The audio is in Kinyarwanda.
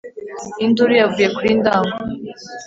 Induru yavuye kuri Ndago